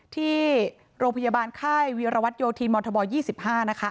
ที่โรพยาบาลไข้วีรวรรดิโยธีมศ๒๕นะคะ